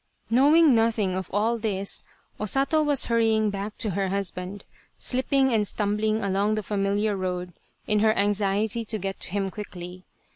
Knowing nothing of all this, O Sato was hurrying back to her husband, slipping and stumbling along the familiar road in her anxiety to get to him quickly.